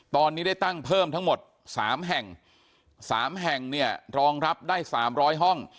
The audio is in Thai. ตอนนี้ได้ตั้งเพิ่มทั้งหมดสามแห่งสามแห่งเนี่ยรองรับได้สามร้อยห้อง